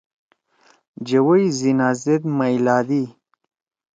جوَئی زیِناز زید مئیلادی۔